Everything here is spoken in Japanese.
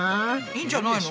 いいんじゃないの？